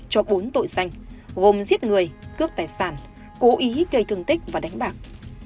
cho bốn tội danh gồm giết người cướp tài sản cố ý gây thương tích và đánh bạc